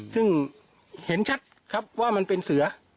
ซึ่งเห็นชัดครับว่ามันเป็นเสือ